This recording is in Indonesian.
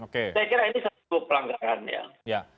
saya kira ini satu pelanggaran ya